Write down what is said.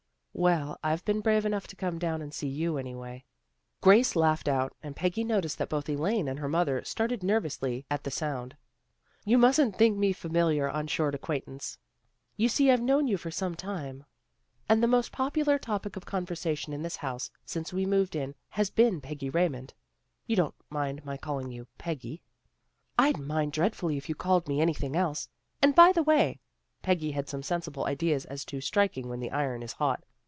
" Well, I've been brave enough to come down and see you, anyway." Grace laughed out, and Peggy noticed that both Elaine and her mother started nervously at the sound. * You mustn't think me familiar on short acquaint ance. You see I've known you for some tune, 296 THE GIRLS OF FRIENDLY TERRACE and the most popular topic of conversation in this house since we moved in has been Peggy Raymond. You don't mind my call ing you Peggy ?" "I'd mind dreadfully if you called me any thing else. And, by the way! " Peggy had some sensible ideas as to striking when the iron is hot.